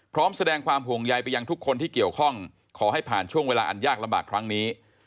พร้อมแสดงความห่วงใยไปยังทุกคนที่เกี่ยวข้องขอให้ผ่านช่วงเวลาอันยากลำบากครั้งนี้